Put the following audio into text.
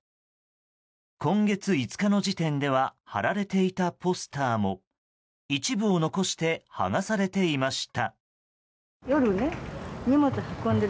今月５日の時点では貼られていたポスターも一部を残して剥がされていました。